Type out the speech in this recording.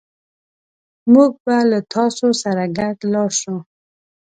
موږ به له تاسو سره ګډ لاړ شو